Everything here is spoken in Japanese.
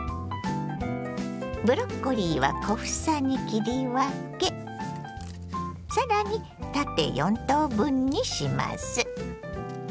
ブロッコリーは小房に切り分け更に縦４等分にします。